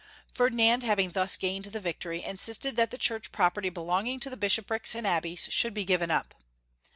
Ferdinand, having thus gained the victory, insis ted that the Church property belonging to bishop rics and abbeys should be given up.